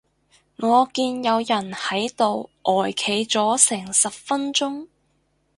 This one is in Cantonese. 我見有人喺度呆企咗成十分鐘